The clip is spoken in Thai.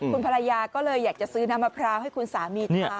คุณภรรยาก็เลยอยากจะซื้อน้ำมะพร้าวให้คุณสามีทาน